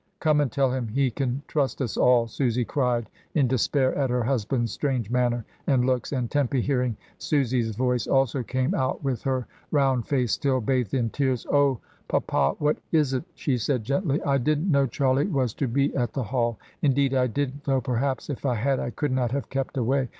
Come and tell him he can trust us all!" Susy cried in despair at her husband's strange manner and looks, and Tempy hearing Susy's voice also came out with her round face still bathed in tears. "Oh! papa, what is it?" she said gently. "I didn't know Charlie was to be at the Hall. Indeed I didn't, though perhaps if I had, I could not have kept away.